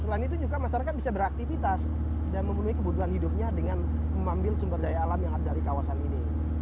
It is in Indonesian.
selain itu juga masyarakat bisa beraktivitas dan memenuhi kebutuhan hidupnya dengan mengambil sumber daya alam yang ada di kawasan ini